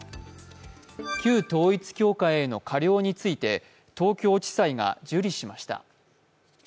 旧統一教会への過料について東京地裁が受理しました。